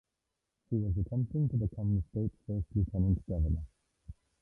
She was attempting to become the state's first Lieutenant Governor.